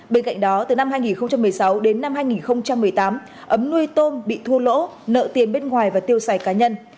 bên cạnh đó từ năm hai nghìn một mươi sáu đến năm hai nghìn một mươi tám ấm nuôi tôm bị thua lỗ nợ tiền bên ngoài và tiêu xài cá nhân